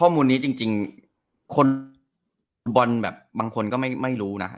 ข้อมูลนี้จริงแบบบอลบางคนไม่รู้นะ